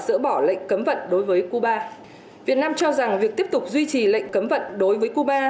dỡ bỏ lệnh cấm vận đối với cuba việt nam cho rằng việc tiếp tục duy trì lệnh cấm vận đối với cuba